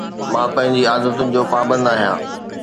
مان پنهنجي عادتن جو پابند آهيان